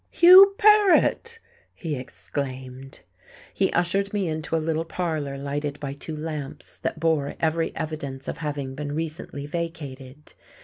"Hugh Paret!" he exclaimed. He ushered me into a little parlour lighted by two lamps, that bore every evidence of having been recently vacated.